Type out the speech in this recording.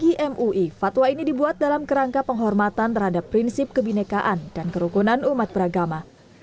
di mui fatwa ini dibuat dalam kerangka penghormatan terhadap prinsip kebinekaan dan kerukunan umat beragama